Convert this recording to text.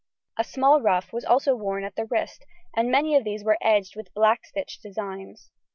A small ruff was also worn at the wrist, many of these were edged with black stitch designs.